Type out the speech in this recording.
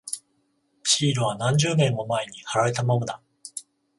シールは何十年も前に貼られたままだ。